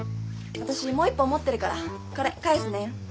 私もう１本持ってるからこれ返すね。